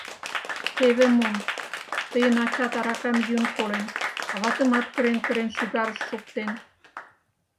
— Теве мом: тыйын ачат аракам йӱын колен, аватымат кырен-кырен шӱгарыш шуктен.